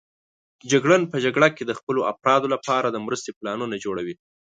جګړن په جګړه کې د خپلو افرادو لپاره د مرستې پلانونه جوړوي.